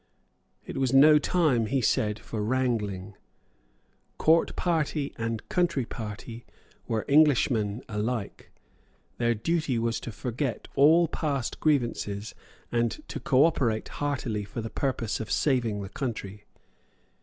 It was no time, he said, for wrangling. Court party and country party were Englishmen alike. Their duty was to forget all past grievances, and to cooperate heartily for the purpose of saving the country.